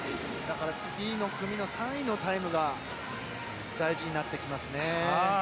次の組の３位のタイムが大事になってきますね。